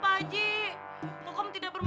pak haji kokom tidak berhenti